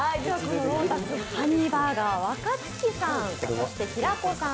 ロータスハニーバーガー、若槻さん、平子さん